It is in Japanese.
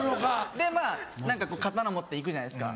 でまぁ刀持って行くじゃないですか。